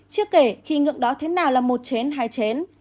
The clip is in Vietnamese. chưa kể khi ngưỡng đó thế nào là một chén hai chén